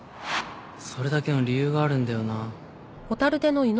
それだけの理由があるんだよな。